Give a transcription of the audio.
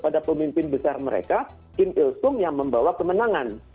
pada pemimpin besar mereka kim ilsung yang membawa kemenangan